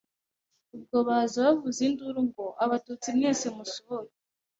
ubwo baza bavuza induru ngo Abatutsi mwese musohoke